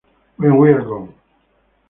When we’re gone.